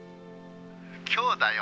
☎今日だよ。